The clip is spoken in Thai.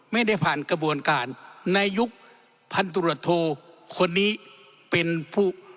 ไม่ได้ผ่านกระบวนการในยุคพันตรวจโทคนนี้เป็นผู้